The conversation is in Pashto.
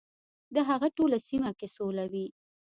د هغه ټوله سیمه کې سوله وي .